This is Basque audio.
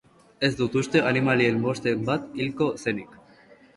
Ez dut uste animalien bosten bat hilko zenik.